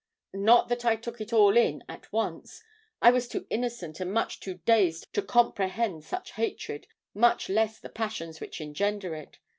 "Not that I took it all in at once. I was too innocent and much too dazed to comprehend such hatred, much less the passions which engender it.